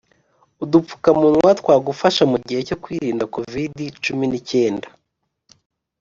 Udupfukamunwa twagufasha mugihe cyo kwirinda covid-cumi n’icyenda